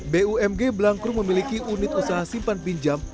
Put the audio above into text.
bumg blangkrum memiliki unit usaha simpan pinjam